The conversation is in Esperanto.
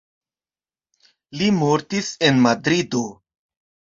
Li mortis en Madrido.